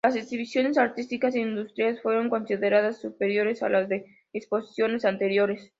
Las exhibiciones artísticas e industriales fueron consideradas superiores a las de exposiciones anteriores.